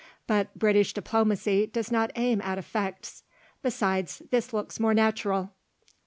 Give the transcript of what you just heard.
But British Diplomacy does not aim at effects; besides, this looks more natural."